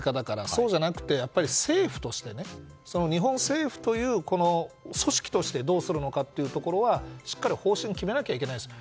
そうじゃなくて日本政府という組織としてどうするのかというところはしっかり方針を決めないといけないです。